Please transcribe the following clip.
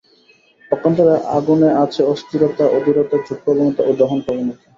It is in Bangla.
পক্ষান্তরে আগুনে আছে অস্থিরতা, অধীরতা, ঝোঁক প্রবণতা ও দহন প্রবণতা।